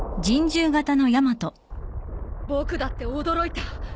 僕だって驚いた。